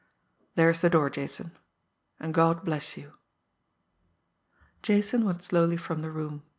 "There's the door, Jason and God bless you!" Jason went slowly from the room.